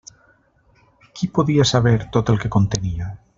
Qui podia saber tot el que contenia?